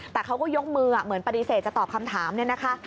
แต่เขาก็ยกมือเหมือนปฏิเสธจะตอบคำถามเนี่ยนะคะ